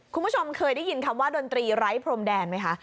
คุณผู้ชมเคยได้ยินคำว่าดนตรีไร้พรมแดนไหมคะ